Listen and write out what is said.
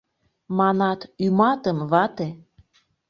Манат: ӱматым, вате!